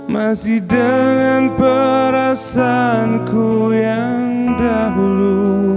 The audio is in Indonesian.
masih dengan perasaanku yang dahulu